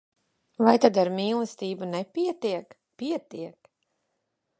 Vai tad ar mīlestību nepietiek? Pietiek!